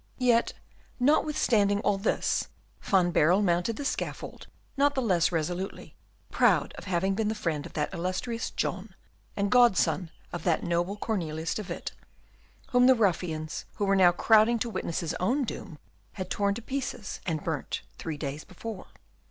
Yet, notwithstanding all this, Van Baerle mounted the scaffold not the less resolutely, proud of having been the friend of that illustrious John, and godson of that noble Cornelius de Witt, whom the ruffians, who were now crowding to witness his own doom, had torn to pieces and burnt three days before.